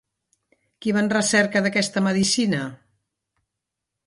Qui va en recerca d'aquesta medicina?